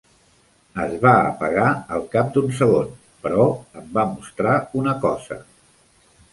Es va apagar al cap d'un segon, però em va mostrar una cosa.